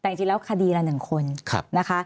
แต่จริงแล้วคดีละ๑คนนะคะ